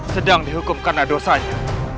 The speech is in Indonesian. sedang dihukum karena dosanya